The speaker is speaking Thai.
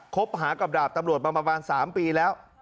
คบหากับดาบตำรวจมาประมาณ๓ปีแล้ว